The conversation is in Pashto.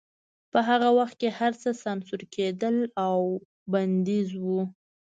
په هغه وخت کې هرڅه سانسور کېدل او بندیز و